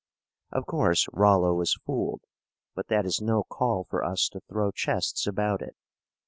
Of course Rollo was fooled. But that is no call for us to throw chests about it.